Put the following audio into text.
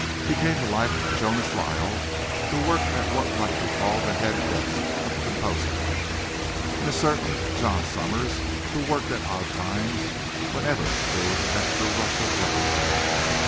He came to like a Jonas Lyle who worked at what might be called the head desk of the composing room, and a certain John Summers who worked at odd times whenever there was an extra rush of job printing.